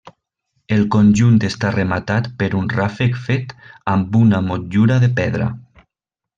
El conjunt està rematat per un ràfec fet amb una motllura de pedra.